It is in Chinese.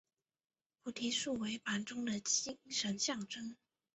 菩提树为板中的精神象征。